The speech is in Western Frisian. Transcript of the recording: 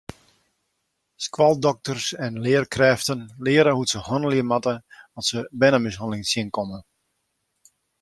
Skoaldokters en learkrêften leare hoe't se hannelje moatte at se bernemishanneling tsjinkomme.